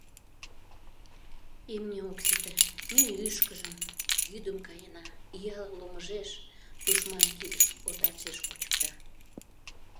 Имне ок сите — ме ӱшкыжым; йӱдым каена, ияла ломыжеш, — тушман кидыш, отат шиж, кучыкта...